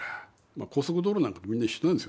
高速道路なんかもみんな一緒なんですよね。